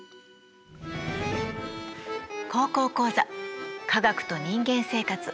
「高校講座科学と人間生活」。